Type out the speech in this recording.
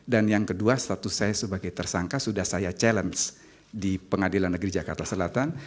dan yang kedua status saya sebagai tersangka sudah saya challenge di pengadilan negeri jakarta selatan